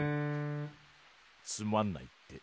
つまんないって。